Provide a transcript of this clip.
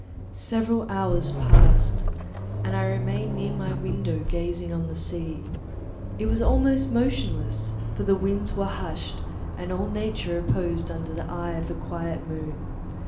Several hours passed, and I remained near my window gazing on the sea; it was almost motionless, for the winds were hushed, and all nature reposed under the eye of the quiet moon.